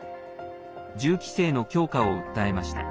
銃規制の強化を訴えました。